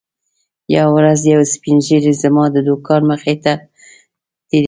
یوه ورځ یو سپین ږیری زما د دوکان مخې ته تېرېده.